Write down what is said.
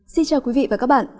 xin chào quý vị và các bạn